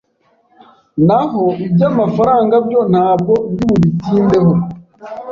Naho iby’amafaranga byo ntabwo ndibubitindeho